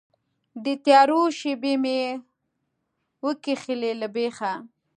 د تیارو شیبې مې وکښلې له بیخه